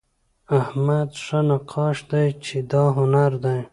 احمد ښه نقاش دئ، چي دا هنر دئ.